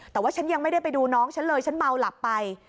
แต่ว่าฉันยังไม่ได้ไปดูน้องฉันเลยฉันเมาหลับไป